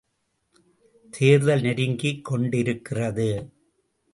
தேர்தல் நெருங்கிக் கொண்டிருக்கிறது.